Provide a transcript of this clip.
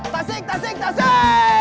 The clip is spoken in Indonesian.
tasik tasik tasik